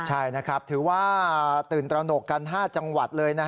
ใช่นะครับถือว่าตื่นตระหนกกัน๕จังหวัดเลย